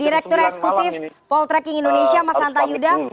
direktur eksekutif poltreking indonesia mas hanta yuda